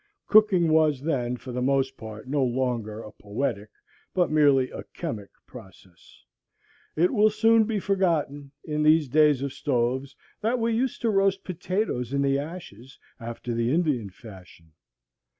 Cooking was then, for the most part, no longer a poetic, but merely a chemic process. It will soon be forgotten, in these days of stoves, that we used to roast potatoes in the ashes, after the Indian fashion.